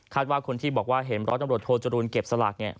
คาดว่าคนที่บอกว่าเห็นรถจำรวจโทรจารูนเก็บสลักเนี่ย